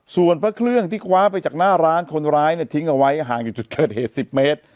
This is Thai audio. ส่วนพระเครื่องที่คว้าไปจากหน้าร้านคนร้ายเนี่ยทิ้งเอาไว้ห่างจากจุดเกิดเหตุ๑๐เมตร